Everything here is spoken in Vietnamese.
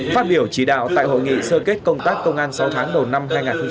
phát biểu chỉ đạo tại hội nghị sơ kết công tác công an sáu tháng đầu năm hai nghìn hai mươi ba